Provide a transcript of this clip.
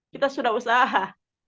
kita sudah usaha